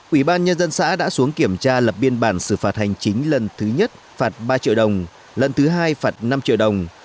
ủy ban nhân dân xã đã xuống kiểm tra lập biên bản xử phạt hành chính lần thứ nhất phạt ba triệu đồng lần thứ hai phạt năm triệu đồng